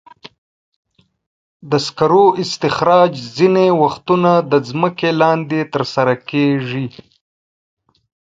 د سکرو استخراج ځینې وختونه د ځمکې لاندې ترسره کېږي.